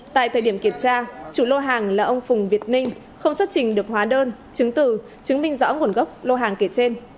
tại thời điểm kiểm tra chủ lô hàng là ông phùng việt ninh không xuất trình được hóa đơn chứng từ chứng minh rõ nguồn gốc lô hàng kể trên